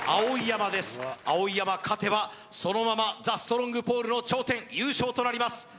碧山勝てばそのままザ・ストロングポールの頂点優勝となります